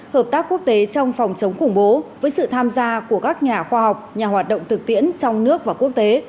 hợp tác quốc tế trong phòng chống khủng bố với sự tham gia của các nhà khoa học nhà hoạt động thực tiễn trong nước và quốc tế